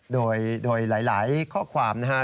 โดยหลายข้อความนะฮะ